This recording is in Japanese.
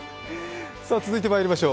続いてまいりましょう。